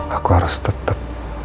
aku harus tetap